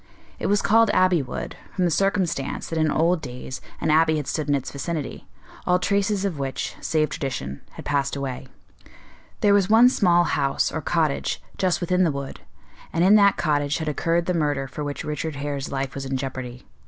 It was called Abbey Wood, from the circumstance that in old days an abbey had stood in its vicinity, all traces of which, save tradition, had passed away. There was one small house, or cottage, just within the wood, and in that cottage had occurred the murder for which Richard Hare's life was in jeopardy.